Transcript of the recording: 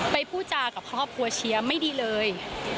พูดจากับครอบครัวเชียร์ไม่ดีเลย